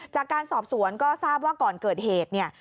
จากการสอบสวนก็ทราบว่าก่อนเกิดเหตุเนี่ย